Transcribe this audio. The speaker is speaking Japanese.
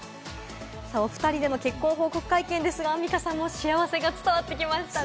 お２人での結婚報告会見ですが、アンミカさん、幸せが伝わってきましたね。